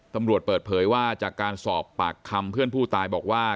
ตำรวจเปิดเผยว่าจากการสอบปากคำเพื่อนผู้ตายบอกว่า